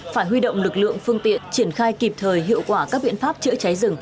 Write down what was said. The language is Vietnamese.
phải huy động lực lượng phương tiện triển khai kịp thời hiệu quả các biện pháp chữa cháy rừng